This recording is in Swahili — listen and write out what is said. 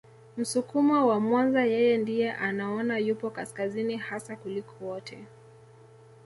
Msukuma wa Mwanza yeye ndiye anaona yupo kaskazini hasa kuliko wote